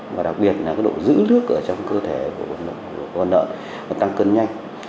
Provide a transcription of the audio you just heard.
và đặc biệt là độ giữ lước trong cơ thể của con lợn và tăng cân nhanh